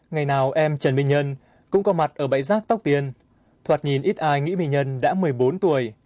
ngày nào em trần minh nhân cũng có mặt ở bãi giác tóc tiên thoạt nhìn ít ai nghĩ minh nhân đã một mươi bốn tuổi